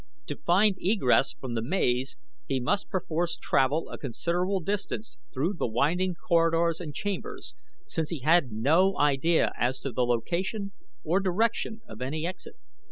To find egress from the maze he must perforce travel a considerable distance through the winding corridors and chambers, since he had no idea as to the location or direction of any exit.